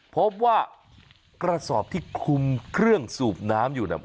พบว่ากระสอบที่คุมเครื่องสูบน้ำอยู่น่ะ